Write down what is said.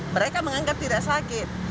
mereka menganggap tidak sakit